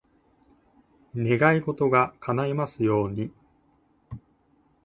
願い事が叶いますように。